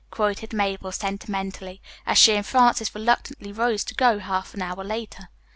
'" quoted Mabel sentimentally, as she and Frances reluctantly rose to go half an hour later.